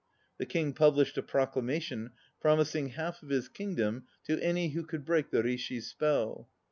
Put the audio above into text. The King published a proclamation promising half of his kingdom to any who could break the Rishi's spell.